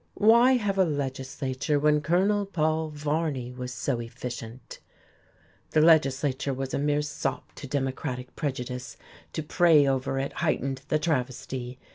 Why have a legislature when Colonel Paul Varney was so efficient! The legislature was a mere sop to democratic prejudice, to pray over it heightened the travesty.